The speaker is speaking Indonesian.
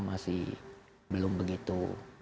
masih belum begitu